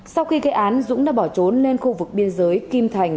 sau khi gây án dũng đã bỏ trốn lên khu vực biên giới kim thành